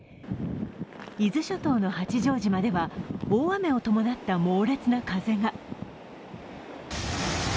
伊豆諸島の八丈島では大雨を伴った猛烈な風が。